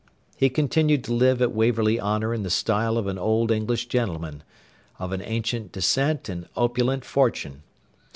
He continued to live at Waverley Honour in the style of an old English gentleman, of an ancient descent and opulent fortune.